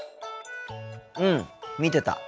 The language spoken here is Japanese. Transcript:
うん見てた。